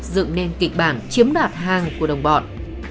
dựng nên kịch bản chiếm đoạt hàng của đồng bọn